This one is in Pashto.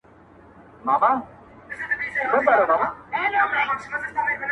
o وربــاندي نــه وركوم ځــان مــلــگــرو.